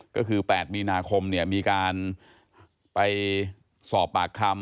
ก็คือ๘มีนาคมเนี่ยมีการไปสอบปากคำ